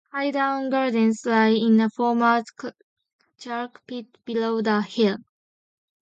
Highdown Gardens lie in a former chalk pit below the hill.